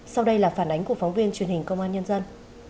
sau đây là phản ánh của phóng viên truyền hình công an nhân dân